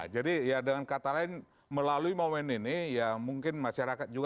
jadi ya dengan kata lain melalui momen ini ya mungkin masyarakat juga